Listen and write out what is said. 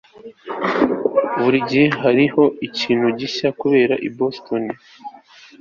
Burigihe hariho ikintu gishya kubona i Boston